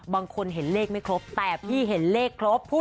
บางคนเห็นเลขไม่ครบแต่พี่เห็นเลขครบ